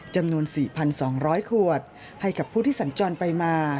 จำนวน๔๒๐๐ขวดให้กับผู้ที่สัญจรไปมา